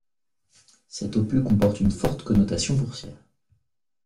Cette opus comporte une forte connotation boursière.